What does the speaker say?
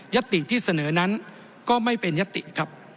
ติที่เสนอนั้นก็ไม่เป็นยติครับ